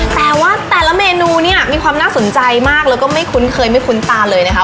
แต่ว่าแต่ละเมนูเนี่ยมีความน่าสนใจมากแล้วก็ไม่คุ้นเคยไม่คุ้นตาเลยนะคะ